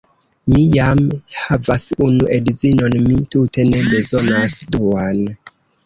Mi jam havas unu edzinon, mi tute ne bezonas duan.